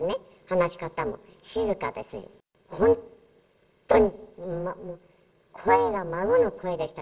話し方も静かですし。